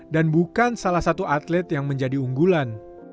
bukan salah satu atlet yang menjadi unggulan